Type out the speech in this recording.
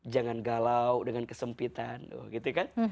jangan galau dengan kesempitan gitu kan